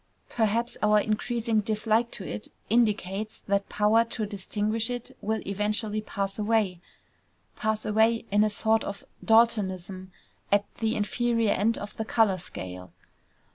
Perhaps our increasing dislike to it indicates that power to distinguish it will eventually pass away pass away in a sort of Daltonism at the inferior end of the color scale.